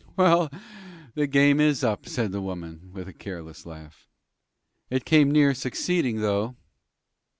"Well, the game is up," said the woman, with a careless laugh. "It came near succeeding, though."